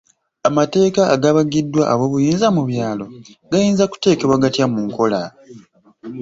Amateeka agabagiddwa ab'obuyinza mu byalo gayinza kuteekebwa gatya mu nkola?